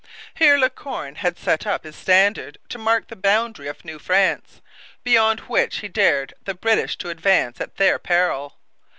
Here La Corne had set up his standard to mark the boundary of New France, beyond which he dared the British to advance at their peril.